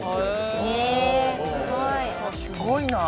すごいな。